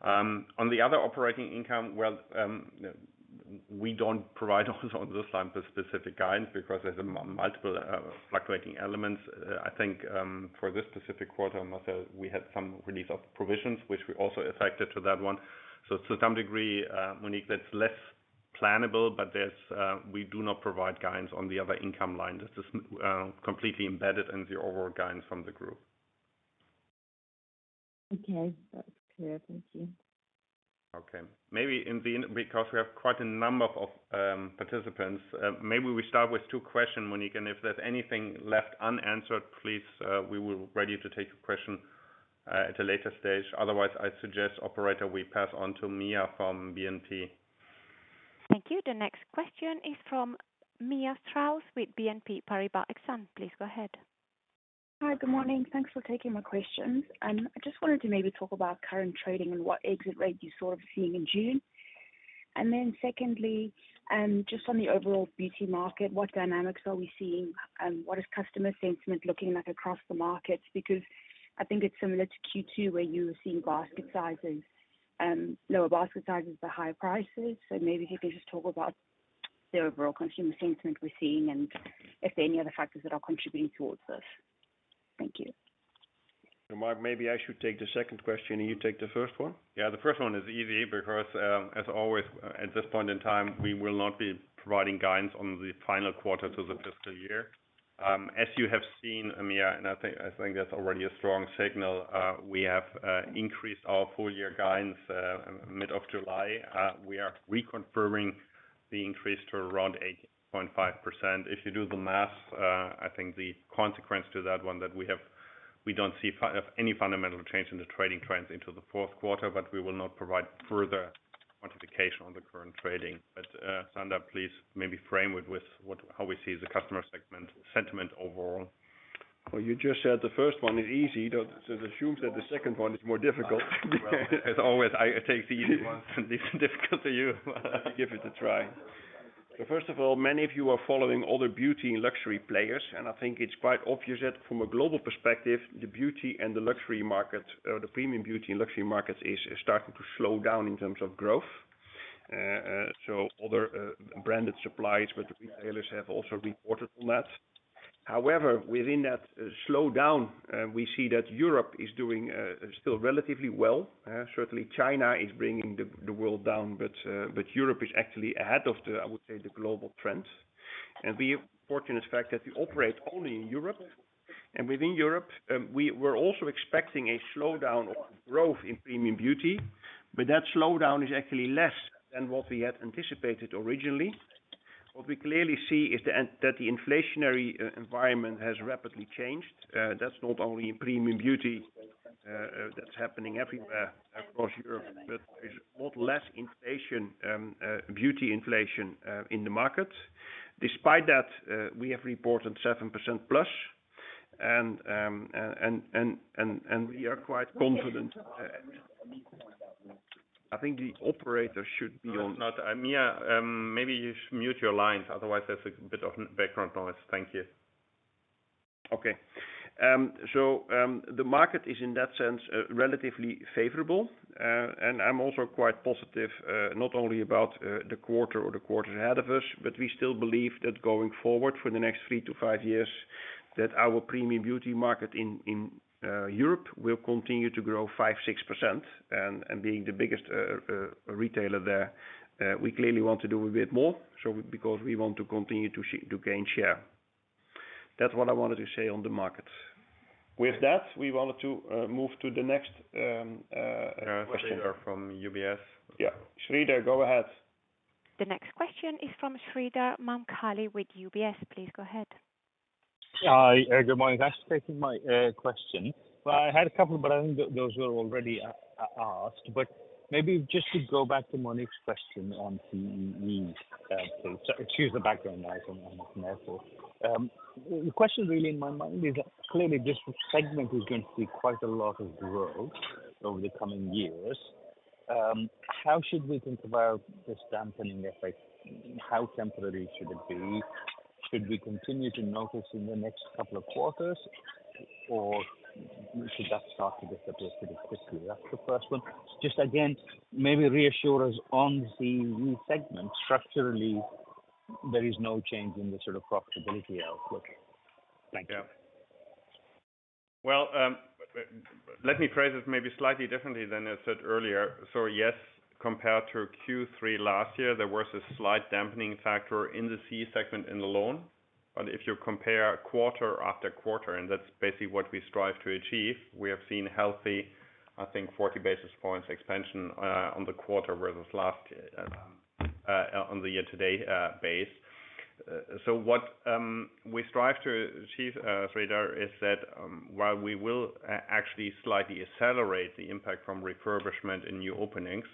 On the other operating income, well, we don't provide, on this line, for specific guidance because there's a multiple, fluctuating elements. I think, for this specific quarter, Marcel, we had some relief of provisions, which we also reflected to that one. So to some degree, Monique, that's less plannable, but there's, we do not provide guidance on the other income line. That is, completely embedded in the overall guidance from the group. Okay, that's clear. Thank you. Okay, maybe in the end, because we have quite a number of participants, maybe we start with two questions, Monique, and if there's anything left unanswered, please, we will be ready to take a question at a later stage. Otherwise, I suggest, operator, we pass on to Mia from BNP. Thank you. The next question is from Mia Strauss with BNP Paribas Exane. Please go ahead. Hi, good morning. Thanks for taking my questions. I just wanted to maybe talk about current trading and what exit rate you're sort of seeing in June. And then secondly, just on the overall beauty market, what dynamics are we seeing? What is customer sentiment looking like across the markets? Because I think it's similar to Q2, where you were seeing basket sizes, lower basket sizes but higher prices. So maybe if you could just talk about the overall consumer sentiment we're seeing, and if there are any other factors that are contributing towards this. Thank you. Mark, maybe I should take the second question, and you take the first one? Yeah, the first one is easy because, as always, at this point in time, we will not be providing guidance on the final quarter to the fiscal year. As you have seen, Mia, and I think, I think that's already a strong signal, we have increased our full year guidance mid of July. We are reconfirming the increase to around 18.5%. If you do the math, I think the consequence to that one that we have, we don't see any fundamental change in the trading trends into the fourth quarter, but we will not provide further quantification on the current trading. But, Sander, please maybe frame it with what - how we see the customer segment, sentiment overall. Well, you just said the first one is easy, so assumes that the second one is more difficult. As always, I take the easy ones. Difficult to you. Give it a try. So first of all, many of you are following all the beauty and luxury players, and I think it's quite obvious that from a global perspective, the beauty and the luxury market, or the premium beauty and luxury markets is, is starting to slow down in terms of growth. So other branded suppliers, but the retailers have also reported on that. However, within that slowdown, we see that Europe is doing still relatively well. Certainly China is bringing the, the world down, but, but Europe is actually ahead of the, I would say, the global trend. And we are fortunate fact that we operate only in Europe, and within Europe, we're also expecting a slowdown on growth in premium beauty, but that slowdown is actually less than what we had anticipated originally. What we clearly see is that the inflationary environment has rapidly changed. That's not only in premium beauty, that's happening everywhere across Europe, but there's a lot less inflation, beauty inflation, in the market. Despite that, we have reported 7%+, and we are quite confident. I think the operator should be on- No, Mia, maybe you mute your lines, otherwise there's a bit of background noise. Thank you. Okay, so, the market is in that sense, relatively favorable. And I'm also quite positive, not only about the quarter or the quarter ahead of us, but we still believe that going forward for the next three to five years, that our premium beauty market in Europe will continue to grow 5%-6%. And being the biggest retailer there, we clearly want to do a bit more, so because we want to continue to gain share. That's what I wanted to say on the market. With that, we wanted to move to the next question. From UBS. Yeah. Sreedhar, go ahead. The next question is from Sreedhar Mahamkali with UBS. Please go ahead. Hi, good morning. Thanks for taking my question. Well, I had a couple, but I think those were already asked. But maybe just to go back to Monique's question on CEE. So excuse the background noise, I'm on an airport. The question really in my mind is, clearly this segment is going to see quite a lot of growth over the coming years. How should we think about this dampening effect? How temporary should it be? Should we continue to notice in the next couple of quarters, or should that start to disappear pretty quickly? That's the first one. Just again, maybe reassure us on the CEE segment, structurally, there is no change in the sort of profitability outlook? Thank you. Yeah. Well, let me phrase this maybe slightly differently than I said earlier. So yes, compared to Q3 last year, there was a slight dampening factor in the C segment in the loan. But if you compare quarter after quarter, and that's basically what we strive to achieve, we have seen healthy, I think, 40 basis points expansion, on the quarter versus last year, on the year-to-date base. So what we strive to achieve, Sreedhar, is that, while we will actually slightly accelerate the impact from refurbishment and new openings,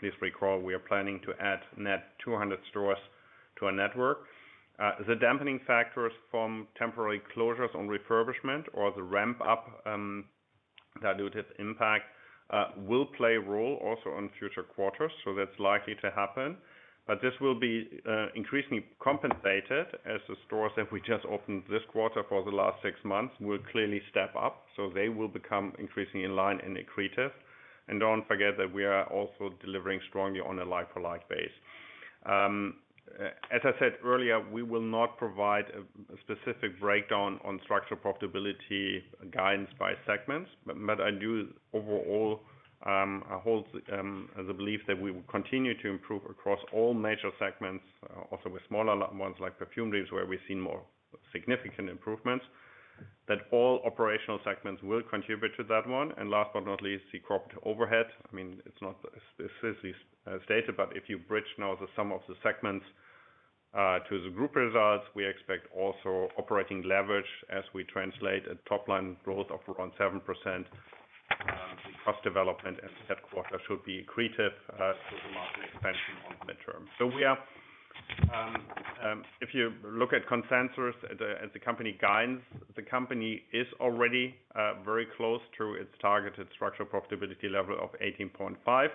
please recall, we are planning to add net 200 stores to our network. The dampening factors from temporary closures on refurbishment or the ramp up, dilutive impact, will play a role also on future quarters, so that's likely to happen. But this will be increasingly compensated as the stores that we just opened this quarter for the last six months will clearly step up, so they will become increasingly in line and accretive. Don't forget that we are also delivering strongly on a like-for-like base. As I said earlier, we will not provide a specific breakdown on structural profitability guidance by segments, but I do overall, I hold the belief that we will continue to improve across all major segments, also with smaller ones like perfumeries, where we've seen more significant improvements, that all operational segments will contribute to that one. Last but not least, the corporate overhead. I mean, it's not as stated, but if you bridge now the sum of the segments to the group results, we expect also operating leverage as we translate a top line growth of around 7%. Cost development and headquarter should be accretive to the market expansion on the midterm. So we are, if you look at consensus at the company guidance, the company is already very close to its targeted structural profitability level of 18.5.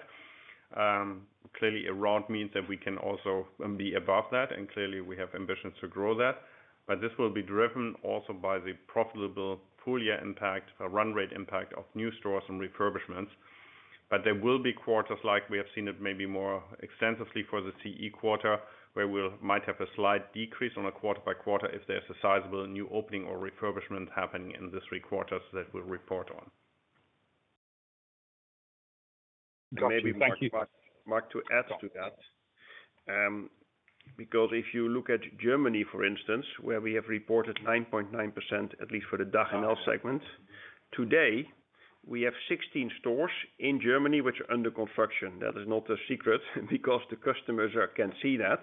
Clearly, around means that we can also be above that, and clearly we have ambitions to grow that. But this will be driven also by the profitable full year impact, a run rate impact of new stores and refurbishments. But there will be quarters like we have seen it maybe more extensively for the CE quarter, where we might have a slight decrease on a quarter by quarter if there's a sizable new opening or refurbishment happening in the three quarters that we'll report on. Got you. Thank you. Mark, to add to that, because if you look at Germany, for instance, where we have reported 9.9%, at least for the DACH segment. Today, we have 16 stores in Germany which are under construction. That is not a secret, because the customers can see that.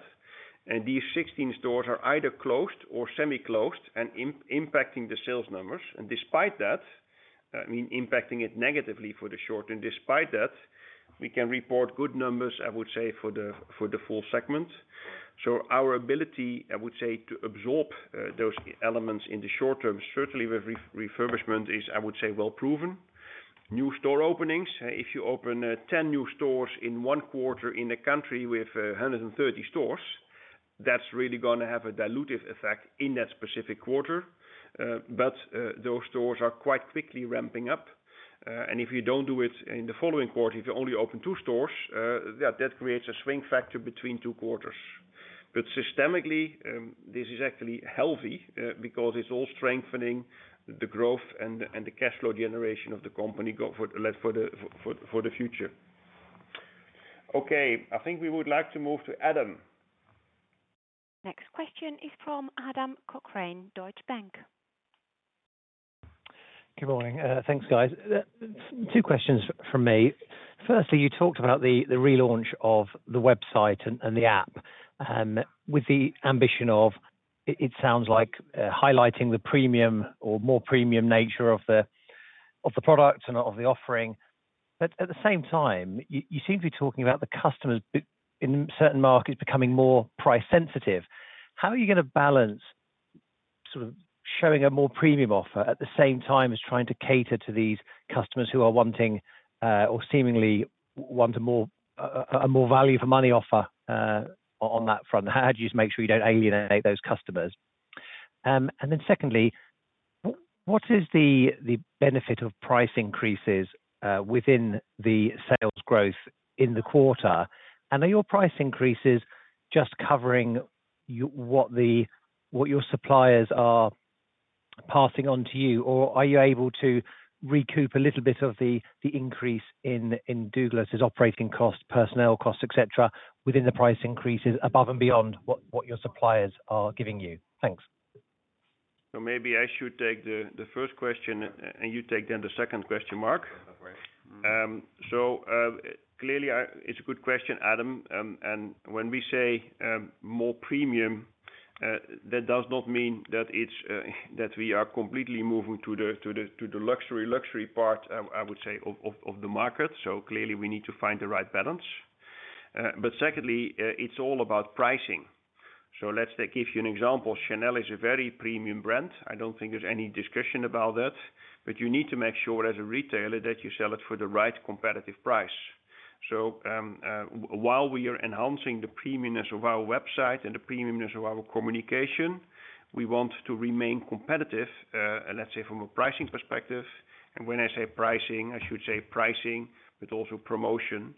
And these 16 stores are either closed or semi-closed and impacting the sales numbers. And despite that, I mean, impacting it negatively for the short, and despite that, we can report good numbers, I would say, for the full segment. So our ability, I would say, to absorb those elements in the short term, certainly with refurbishment, is, I would say, well proven. New store openings, if you open 10 new stores in one quarter in a country with 130 stores, that's really gonna have a dilutive effect in that specific quarter. But those stores are quite quickly ramping up. And if you don't do it in the following quarter, if you only open 2 stores, yeah, that creates a swing factor between two quarters. But systemically, this is actually healthy, because it's all strengthening the growth and the cash flow generation of the company going forward, like, for the future. Okay, I think we would like to move to Adam. Next question is from Adam Cochrane, Deutsche Bank. Good morning. Thanks, guys. Two questions from me. Firstly, you talked about the relaunch of the website and the app with the ambition of, it sounds like, highlighting the premium or more premium nature of the product and of the offering. But at the same time, you seem to be talking about the customers in certain markets becoming more price sensitive. How are you gonna balance sort of showing a more premium offer at the same time as trying to cater to these customers who are wanting or seemingly want a more value for money offer on that front? How do you just make sure you don't alienate those customers? And then secondly, what is the benefit of price increases within the sales growth in the quarter? Are your price increases just covering what your suppliers are passing on to you, or are you able to recoup a little bit of the increase in Douglas's operating costs, personnel costs, et cetera, within the price increases above and beyond what your suppliers are giving you? Thanks. So, maybe I should take the first question, and you take the second question, Mark. Right. So, clearly, it's a good question, Adam. And when we say more premium, that does not mean that it's that we are completely moving to the luxury part, I would say of the market. So clearly, we need to find the right balance. But secondly, it's all about pricing. So let's give you an example. Chanel is a very premium brand. I don't think there's any discussion about that, but you need to make sure as a retailer, that you sell it for the right competitive price. So, while we are enhancing the premiumness of our website and the premiumness of our communication, we want to remain competitive, let's say from a pricing perspective. And when I say pricing, I should say pricing, but also promotion.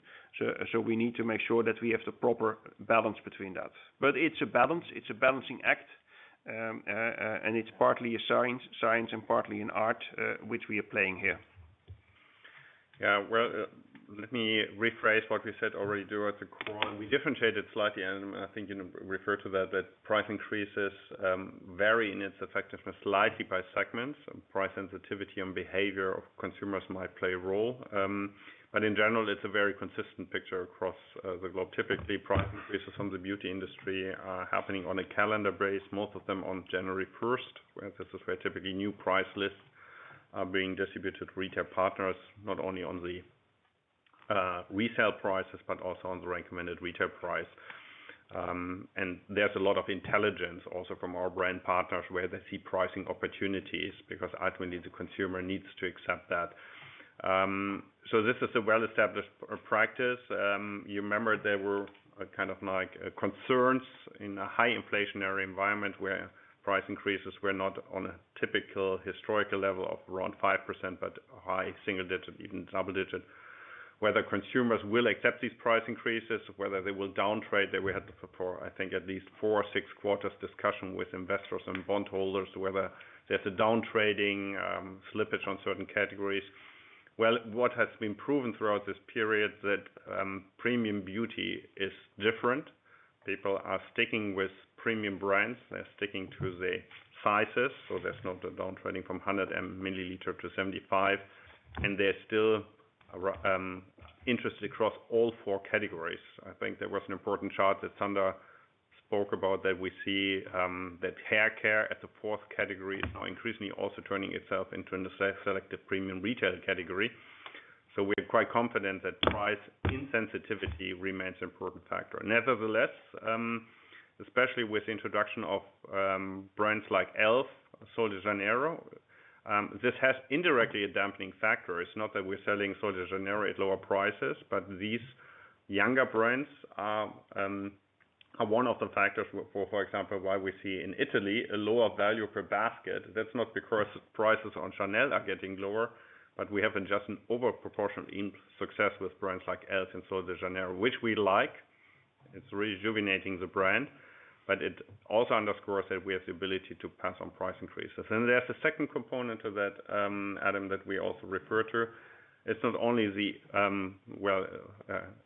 We need to make sure that we have the proper balance between that. But it's a balance, it's a balancing act. It's partly a science and partly an art, which we are playing here. Yeah, well, let me rephrase what we said already during the call. We differentiated slightly, and I think you referred to that, but price increases vary in its effectiveness slightly by segments. Price sensitivity and behavior of consumers might play a role. But in general, it's a very consistent picture across the globe. Typically, price increases from the beauty industry are happening on a calendar base, most of them on January 1st, where this is where typically new price lists are being distributed to retail partners, not only on the resale prices, but also on the recommended retail price. And there's a lot of intelligence also from our brand partners, where they see pricing opportunities, because ultimately, the consumer needs to accept that. So this is a well-established practice. You remember there were kind of like concerns in a high inflationary environment, where price increases were not on a typical historical level of around 5%, but high single-digit, even double-digit. Whether consumers will accept these price increases, whether they will downtrade, that we had to perform, I think at least 4 or 6 quarters discussion with investors and bondholders, whether there's a down trading slippage on certain categories. Well, what has been proven throughout this period that premium beauty is different. People are sticking with premium brands. They're sticking to the sizes, so there's not a downtrending from 100 ml-75 ml. And they're still interested across all four categories. I think there was an important chart that Sander spoke about that we see that hair care as a fourth category is now increasingly also turning itself into a selective premium retail category. So we're quite confident that price insensitivity remains an important factor. Nevertheless, especially with the introduction of brands like Elf, Sol de Janeiro, this has indirectly a dampening factor. It's not that we're selling Sol de Janeiro at lower prices, but these younger brands are one of the factors, for example, why we see in Italy a lower value per basket. That's not because prices on Chanel are getting lower, but we have just a disproportionate success with brands like Elf and Sol de Janeiro, which we like. It's rejuvenating the brand, but it also underscores that we have the ability to pass on price increases. There's a second component to that, Adam, that we also refer to. It's not only the, well,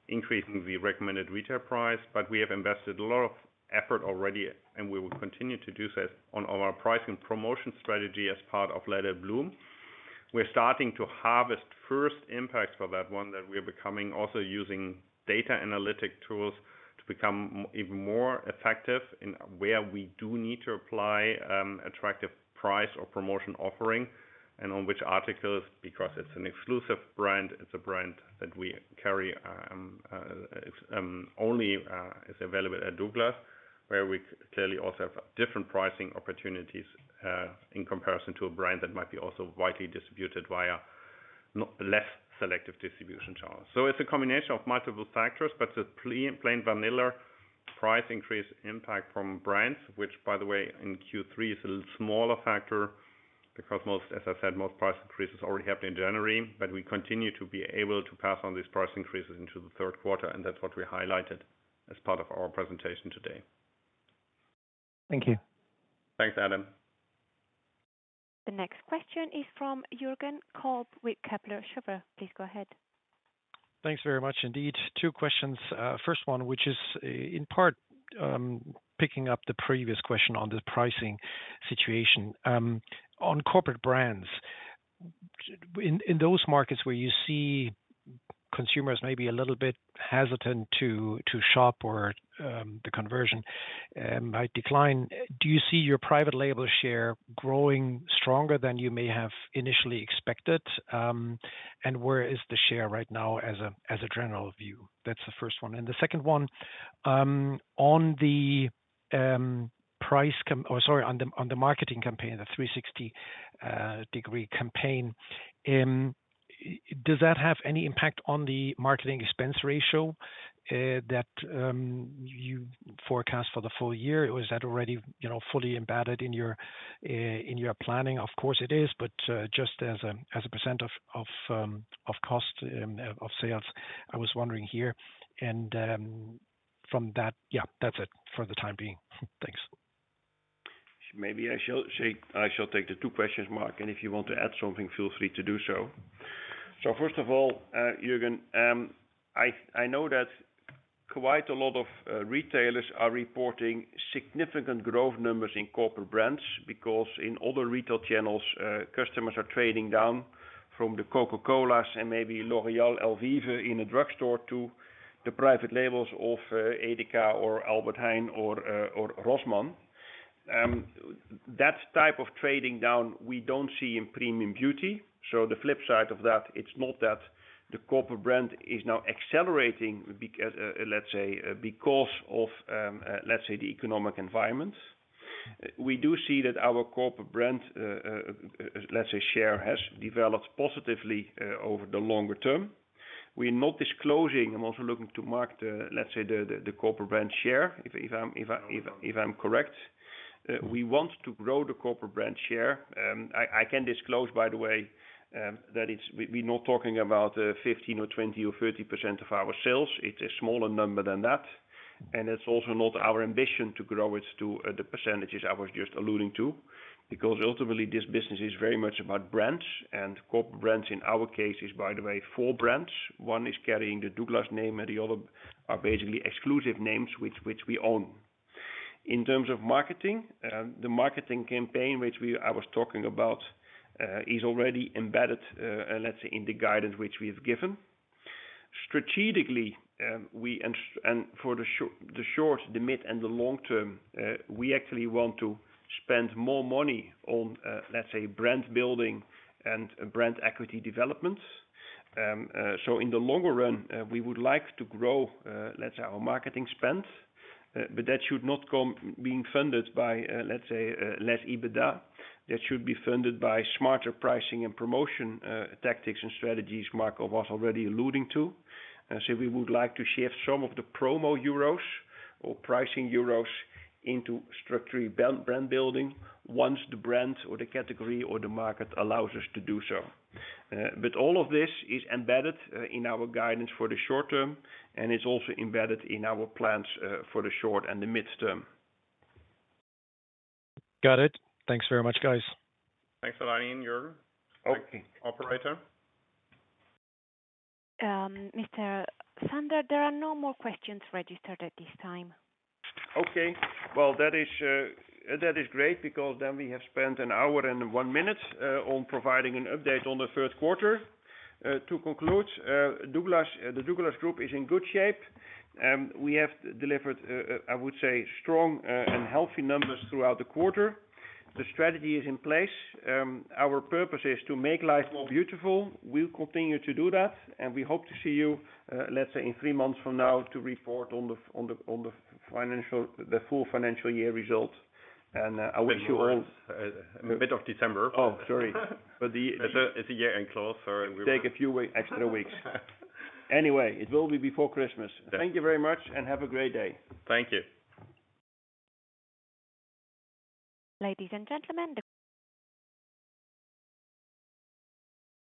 increasing the recommended retail price, but we have invested a lot of effort already, and we will continue to do so on our pricing promotion strategy as part of Let It Bloom. We're starting to harvest first impacts for that one, that we are becoming also using data analytic tools to become even more effective in where we do need to apply attractive price or promotion offering, and on which articles, because it's an exclusive brand, it's a brand that we carry only is available at Douglas. Where we clearly also have different pricing opportunities in comparison to a brand that might be also widely distributed via less selective distribution channels. So it's a combination of multiple factors, but the plain vanilla price increase impact from brands, which by the way, in Q3, is a smaller factor because most, as I said, most price increases already happened in January. But we continue to be able to pass on these price increases into the third quarter, and that's what we highlighted as part of our presentation today. Thank you. Thanks, Adam. The next question is from Jürgen Kolb, with Kepler Cheuvreux. Please go ahead. Thanks very much indeed. Two questions. First one, which is, in part, picking up the previous question on the pricing situation. On corporate brands, in those markets where you see consumers may be a little bit hesitant to shop or the conversion might decline, do you see your private label share growing stronger than you may have initially expected? And where is the share right now as a general view? That's the first one. And the second one, on the price cam- or sorry, on the marketing campaign, the 360-degree campaign, does that have any impact on the marketing expense ratio that you forecast for the full year? Or is that already, you know, fully embedded in your planning? Of course it is, but just as a percent of cost of sales, I was wondering here. And from that. Yeah, that's it for the time being. Thanks. Maybe I shall say, I shall take the two questions, Mark, and if you want to add something, feel free to do so. So first of all, Jürgen, I know that quite a lot of retailers are reporting significant growth numbers in corporate brands, because in other retail channels, customers are trading down from the Coca-Colas and maybe L'Oréal, Elvive in a drugstore, to the private labels of EDEKA or Albert Heijn or Rossmann. That type of trading down, we don't see in premium beauty. So the flip side of that, it's not that the corporate brand is now accelerating, let's say, because of, let's say, the economic environment. We do see that our corporate brand, let's say, share, has developed positively over the longer term. We're not disclosing. I'm also looking to Mark, the, let's say, the corporate brand share, if I'm correct. We want to grow the corporate brand share. I can disclose, by the way, that it's. We're not talking about 15 or 20 or 30% of our sales. It's a smaller number than that, and it's also not our ambition to grow it to the percentages I was just alluding to. Because ultimately this business is very much about brands, and corporate brands in our case is, by the way, four brands. One is carrying the Douglas name, and the other are basically exclusive names, which we own. In terms of marketing, the marketing campaign which I was talking about is already embedded, let's say, in the guidance which we've given. Strategically, we and for the short, the mid, and the long term, we actually want to spend more money on, let's say, brand building and brand equity development. So in the longer run, we would like to grow, let's say, our marketing spend, but that should not come being funded by, let's say, less EBITDA. That should be funded by smarter pricing and promotion, tactics and strategies Marco was already alluding to. So we would like to shift some of the promo euros or pricing euros into structurally brand, brand building once the brand or the category or the market allows us to do so. But all of this is embedded in our guidance for the short term, and it's also embedded in our plans for the short and the midterm. Got it. Thanks very much, guys. Thanks a lot. In your- Okay. Operator? Mr. Sander, there are no more questions registered at this time. Okay. Well, that is great because then we have spent an hour and one minute on providing an update on the third quarter. To conclude, Douglas, the Douglas Group is in good shape, and we have delivered, I would say, strong and healthy numbers throughout the quarter. The strategy is in place. Our purpose is to make life more beautiful. We'll continue to do that, and we hope to see you, let's say in three months from now, to report on the financial, the full financial year results. And, I wish you all- Mid of December. Oh, sorry, but the- It's a year-end close, and we were- Take a few weeks, extra weeks. Anyway, it will be before Christmas. Yes. Thank you very much and have a great day. Thank you. Ladies and gentlemen, the-